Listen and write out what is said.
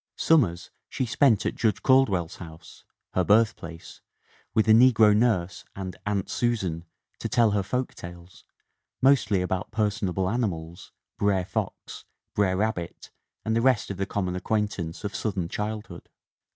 Summers she spent at Judge Caldwell's house, her birthplace, with a negro nurse and "Aunt Susan" to tell her folk tales, mostly about personable animals, Brer Fox, Brer Rabbit and the rest of the common acquaintance of Southern childhood.